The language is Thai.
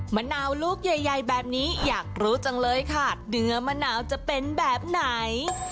มะนาวลูกใหญ่แบบนี้อยากรู้จังเลยค่ะเนื้อมะนาวจะเป็นแบบไหน